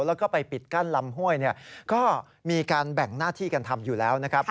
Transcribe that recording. แล้วก็ไปปิดกั้นลำห้วยก็มีการแบ่งหน้าที่กันทำอยู่แล้วนะครับ